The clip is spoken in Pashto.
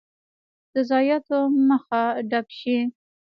د ضایعاتو مخه ډب شي.